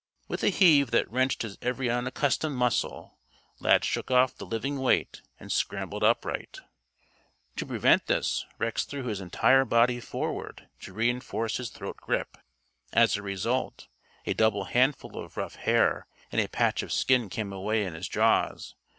With a heave that wrenched his every unaccustomed muscle, Lad shook off the living weight and scrambled upright. To prevent this, Rex threw his entire body forward to reinforce his throat grip. As a result, a double handful of ruff hair and a patch of skin came away in his jaws.